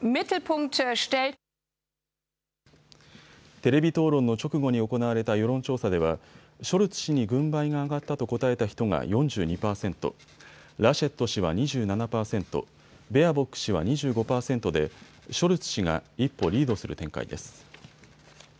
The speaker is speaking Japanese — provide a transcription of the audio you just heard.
テレビ討論の直後に行われた世論調査ではショルツ氏に軍配が上がったと答えた人が４２％、ラシェット氏は２７％、ベアボック氏は２５％でショルツ氏が一歩リードする展開です。